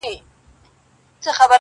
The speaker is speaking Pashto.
جنازې دي د بګړیو هدیرې دي چي ډکیږي!!